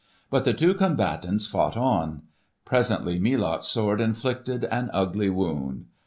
But the two combatants fought on. Presently Melot's sword inflicted an ugly wound.